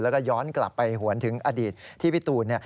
แล้วก็ย้อนกลับไปหวนถึงอดีตที่พี่ตูน